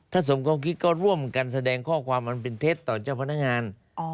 ถ้าสมความคิดก็ร่วมกันแสดงข้อความอันเป็นเท็จต่อเจ้าพนักงาน